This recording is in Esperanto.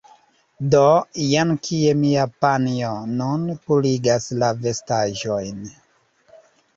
Do, jen kie mia panjo nun purigas la vestaĵojn